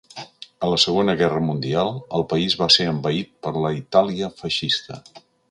A la Segona Guerra Mundial el país va ser envaït per la Itàlia feixista.